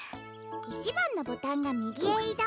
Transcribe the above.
１ばんのボタンがみぎへいどう。